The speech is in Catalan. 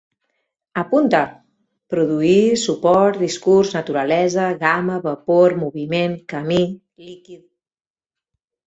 Apunta: produir, suport, discurs, naturalesa, gamma, vapor, moviment, camí, líquid